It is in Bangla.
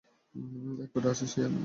এরপরেই আছে শিয়া।